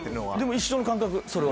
一緒の感覚。